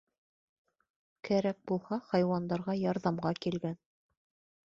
Кәрәк булһа, хайуандарға ярҙамға килгән.